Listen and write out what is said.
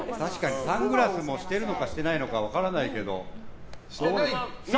サングラスもしてるのかしてないのか分からないけど。